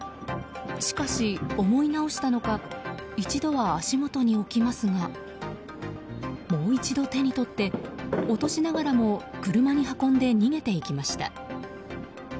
しかし、思い直したのか一度は足元に置きますがもう一度手に取って落としながらも車に運んで、逃げていきました。